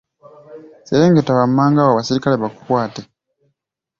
Serengeta wammanga awo abaserikale bakukwate.